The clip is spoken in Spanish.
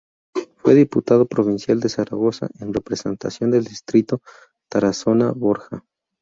Fue Diputado Provincial de Zaragoza en representación del distrito Tarazona-Borja.